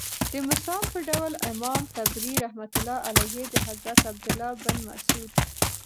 دمثال په ډول امام طبري رحمة الله عليه دحضرت عبدالله بن مسعود